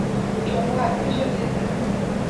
Le tournoi a plusieurs étapes.